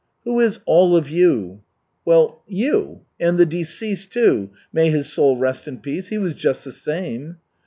"Who is 'all of you'?" "Well, you. And the deceased, too, may his soul rest in peace, he was just the same."